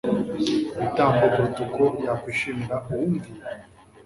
bitambo kuruta uko yakwishimira umwumviye?